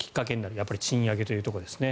やっぱり賃上げというところですね。